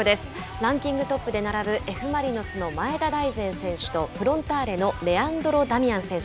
ランキングトップで並ぶＦ・マリノスの前田大然選手とフロンターレのレアンドロ・ダミアン選手。